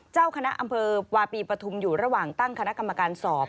เจ้าคณะอำเภอวาปีปฐุมอยู่ระหว่างตั้งคณะกรรมการสอบ